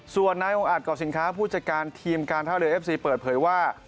ส่วนนายองค์อาจกรอบสินค้าผู้จัดการทีมการท่าเรือเอฟซีเปิดเผยว่า